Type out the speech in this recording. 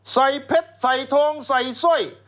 ใส่เพชรใส่ทองใส่สวย